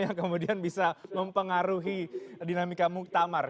yang kemudian bisa mempengaruhi dinamika muktamar